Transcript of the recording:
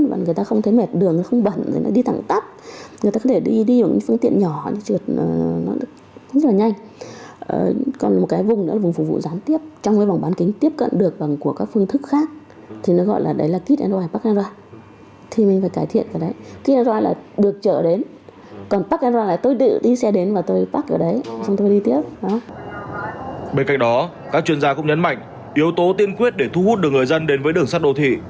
bên cạnh đó các chuyên gia cũng nhấn mạnh yếu tố tiên quyết để thu hút được người dân đến với đường sắt đô thị